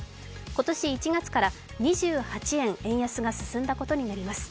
今年１月から２８円円安が進んだことになります。